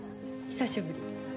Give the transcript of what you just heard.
久しぶり。